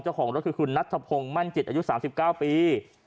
เจ้าของรถคือนัทสะพงมั่นจิตอายุ๓๙ปี